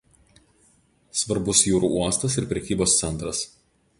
Svarbus jūrų uostas ir prekybos centras.